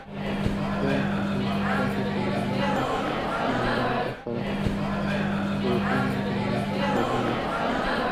Pueden consumir sustancias orgánicas e inorgánicas, pero tienen tendencias carnívoras.